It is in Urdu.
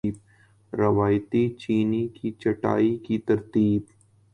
روایتی چینی کی چھٹائی کی ترتیب